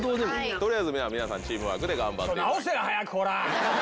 取りあえず皆さんチームワークで頑張って。